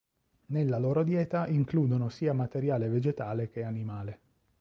Nella loro dieta includono sia materiale vegetale che animale.